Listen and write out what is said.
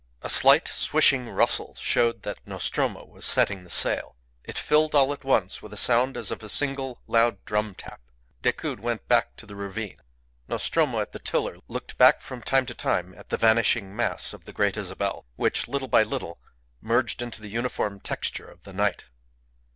A slight swishing rustle showed that Nostromo was setting the sail. It filled all at once with a sound as of a single loud drum tap. Decoud went back to the ravine. Nostromo, at the tiller, looked back from time to time at the vanishing mass of the Great Isabel, which, little by little, merged into the uniform texture of the night.